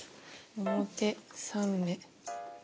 表３目。